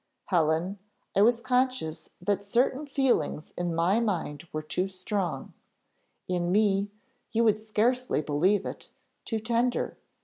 Helen! I was conscious that certain feelings in my mind were too strong, in me, you would scarcely believe it too tender.